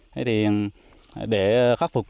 thế thì để khắc phục